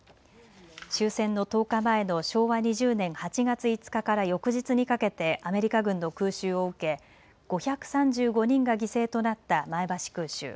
終戦の１０日前の昭和２０年８月５日から翌日にかけてアメリカ軍の空襲を受け、５３５人が犠牲となった前橋空襲。